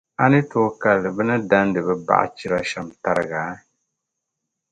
A ni tooi kali bɛ ni dandi bɛ baɣa chira shɛm tariga?